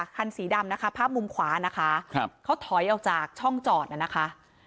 คันสีดำนะคะภาพมุมขวานะคะครับเขาถอยออกจากช่องจอดน่ะนะคะ